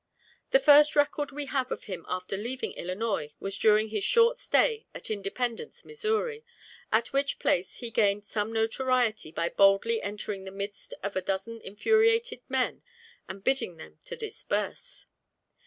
The first record we have of him after leaving Illinois was during his short stay at Independence, Missouri, at which place he gained some notoriety by boldly entering the midst of a dozen infuriated men and bidding them to disperse.